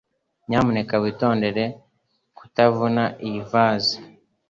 Nyamuneka witondere kutavuna iyi vase